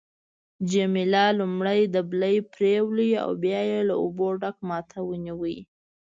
جميله لومړی دبلی پریویست او بیا یې له اوبو ډک ما ته ونیو.